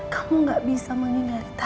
kamu gak bisa mengingat takdir ma